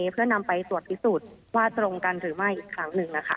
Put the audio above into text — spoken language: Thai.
เพื่อนำไปตรวจพิสูจน์ว่าตรงกันหรือไม่อีกครั้งหนึ่งนะคะ